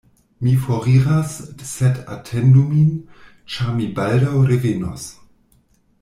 Mi foriras, sed atendu min, ĉar mi baldaŭ revenos.